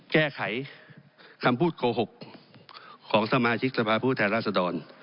แก้ไขคำพูดโกหกของสมาชิกสภาพผู้แทนราษดร